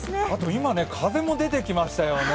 今、風も出てきましたよね。